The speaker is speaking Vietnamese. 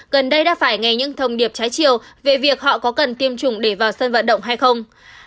gần đây đã phải nghe những thông điệp trái chiều về việc họ có cần tiêm chủng để vào sân vận động hay không